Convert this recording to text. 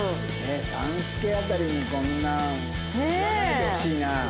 ３助辺りにこんないかないでほしいな。